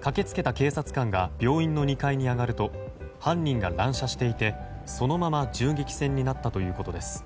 駆け付けた警察官が病院の２階に上がると犯人が乱射していてそのまま銃撃戦になったということです。